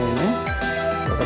untuk diberikan kembali